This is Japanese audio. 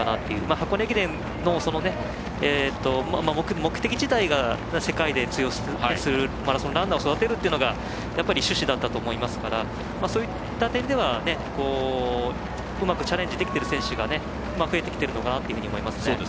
箱根駅伝の目的自体が世界で通用するマラソンランナーを育てるというのがやっぱり趣旨だったと思いますから、そういった点ではうまくチャレンジできている選手増えているのかなと思いますね。